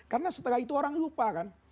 karena setelah itu orang lupa kan